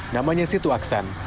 namanya situ aksan